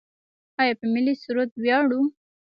آیا په ملي سرود ویاړو؟